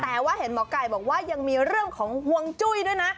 แต่ว่าเห็นหมอไก่บอกว่ายังมีเรื่องของห่วงจุ้ยด้วยนะ